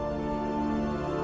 saya tidak tahu